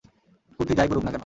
কুট্টি যাই করুক না কেন।